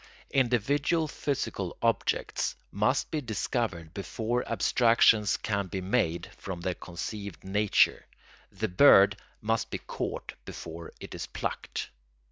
Individual physical objects must be discovered before abstractions can be made from their conceived nature; the bird must be caught before it is plucked.